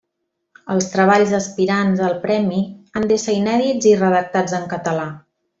Els treballs aspirants al premi han d'ésser inèdits i redactats en català.